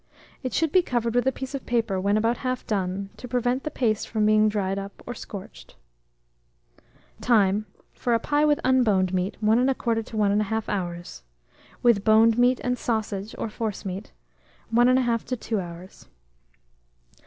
It should be covered with a piece of paper when about half done, to prevent the paste from being dried up or scorched. Time. For a pie with unboned meat, 1 1/4 to 1 1/2 hour; with boned meat and sausage or forcemeat, 1 1/2 to 2 hours.